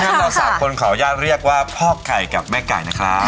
เราสามคนขออนุญาตเรียกว่าพ่อไก่กับแม่ไก่นะครับ